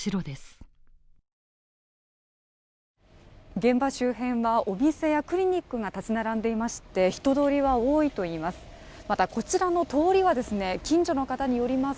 現場周辺はお店やクリニックが立つ並んでいまして人通りは多いといいます。